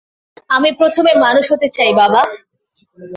আমি প্রথমে মানুষ হতে চাই, বাবা।